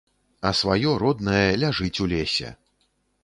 А сваё, роднае, ляжыць у лесе!